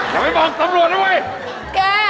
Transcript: อย่าไปบอกตำรวจไว้